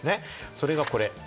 それがこれ！